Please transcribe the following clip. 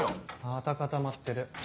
また固まってる。